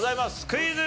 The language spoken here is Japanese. クイズ。